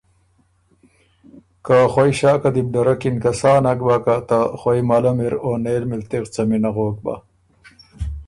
که خوئ ݭاکه دی بو ډرکِن که سا نک بَۀ که ته خوئ مل م اِر او نېل مِلتغ څمی نغوک بَۀ،